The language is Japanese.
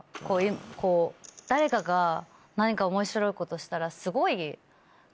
こう誰かが何か面白いことしたらすごい。